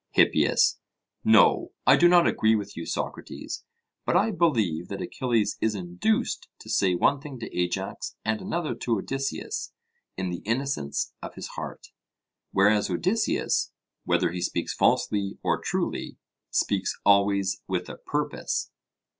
HIPPIAS: No, I do not agree with you, Socrates; but I believe that Achilles is induced to say one thing to Ajax, and another to Odysseus in the innocence of his heart, whereas Odysseus, whether he speaks falsely or truly, speaks always with a purpose.